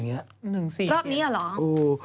๑๔๗เนี้ย๑๔๗อ๋อรอบนี้หรอ